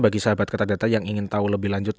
bagi sahabat kata data yang ingin tahu lebih lanjut